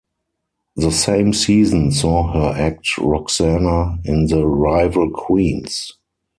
The same season saw her act Roxana in the "Rival Queens".